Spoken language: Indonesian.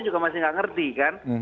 juga masih tidak mengerti kan